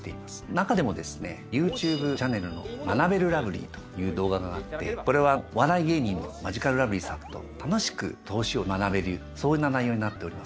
中でもですねＹｏｕＴｕｂｅチャンネルの『学べるラブリー』という動画があってこれはお笑い芸人のマジカルラブリーさんと楽しく投資を学べるそんな内容になっております。